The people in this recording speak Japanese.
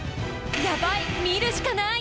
やばい。